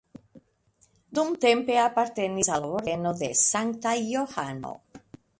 Dumtempe apartenis al la Ordeno de Sankta Johano.